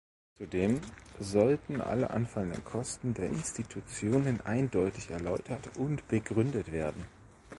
Zudem sollten alle anfallenden Kosten der Institutionen eindeutig erläutert und begründet werden.